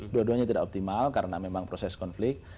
dua duanya tidak optimal karena memang proses konflik